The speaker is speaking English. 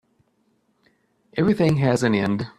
Everything has an end.